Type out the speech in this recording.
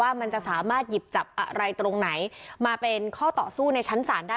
มันจะสามารถหยิบจับอะไรตรงไหนมาเป็นข้อต่อสู้ในชั้นศาลได้